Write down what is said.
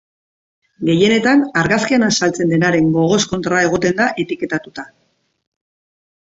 Gehienetan argazkian azaltzen denaren gogoz kontra egoten da etiketatuta.